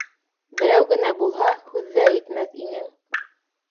Берәү генә булһа, һүҙ ҙә әйтмәҫ инең.